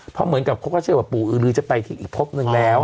เพราะเหมือนกับเขาเข้าเชื่อว่าปู่อึดลือจะไปอีกภบนึงแล้ว